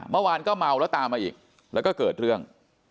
เมื่อวานก็เมาแล้วตามมาอีกแล้วก็เกิดเรื่อง